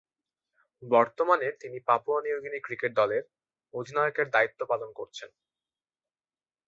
বর্তমানে তিনি Papua New Guinea cricket দলের অধিনায়কের দায়িত্ব পালন করছেন।